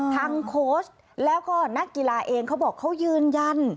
โค้ชแล้วก็นักกีฬาเองเขาบอกเขายืนยัน